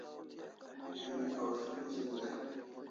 Emi awzu mozin dai